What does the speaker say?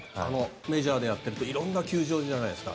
メジャーでやっていると色んな球場じゃないですか。